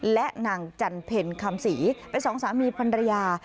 และนางจันเพ็ญคำศรีเป็นสองสามีพันรยา